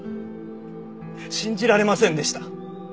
信じられませんでした。